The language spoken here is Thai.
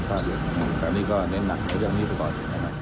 ตอนนี้ก็เน้นหนักไว้เรื่องนี้ไปก่อน